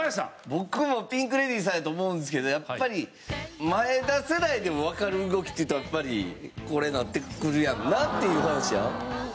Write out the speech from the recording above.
僕もピンク・レディーさんやと思うんですけどやっぱり前田世代でもわかる動きっていうとやっぱりこれになってくるやんなっていう話やん？